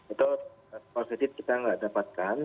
itu for fresh graduate kita nggak dapatkan